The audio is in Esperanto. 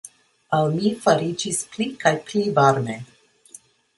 Al mi fariĝis pli kaj pli varme.